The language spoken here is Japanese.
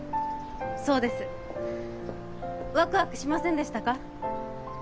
そうですワクワクしませんでしたか？